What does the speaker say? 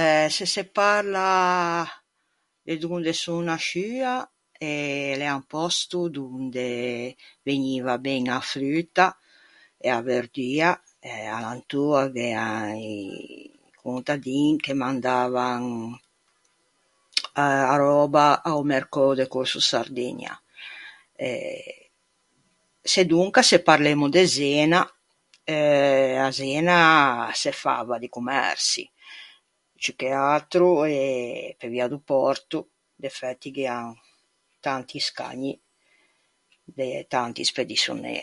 Eh se se parla de donde son nasciua, eh l’ea un pòsto donde vegniva ben a fruta, e a verdua e alantô gh’ea i contandin che mandavan a röba a-o mercou de Corso Sardegna. E sedonca se parlemmo de Zena, à Zena se fava di commerçi, ciù che atro e pe via do pòrto e de fæti gh’ean tanti scagni de tanti spediçionê.